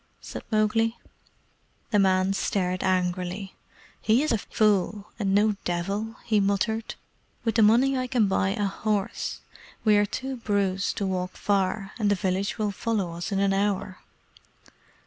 said Mowgli. The man stared angrily. "He is a fool, and no devil," he muttered. "With the money I can buy a horse. We are too bruised to walk far, and the village will follow us in an hour."